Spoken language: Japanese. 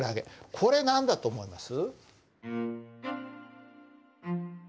これ何だと思います？